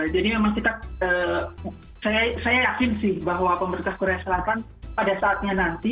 jadi memang kita saya yakin sih bahwa pemerintah korea selatan pada saatnya nanti